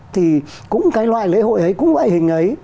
thì cũng loại lễ hội ấy cũng loại hình ấy